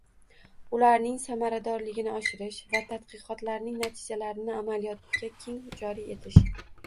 ularning samaradorligini oshirish va tadqiqotlarning natijalarini amaliyotga keng joriy etish